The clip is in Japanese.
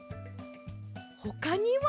ほかには？